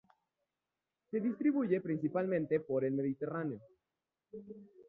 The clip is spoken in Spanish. Se distribuye principalmente por el Mediterráneo.